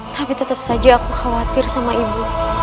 tapi tetap saja aku khawatir sama ibu